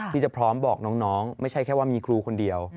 ที่จะพร้อมบอกน้องไม่ใช่แค่ว่ามีครูคนเดียว